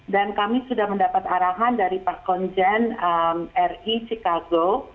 dan kami sudah mendapat arahan dari pak konjen ri chicago